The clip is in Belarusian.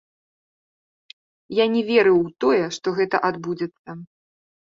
Я не верыў у тое, што гэта адбудзецца.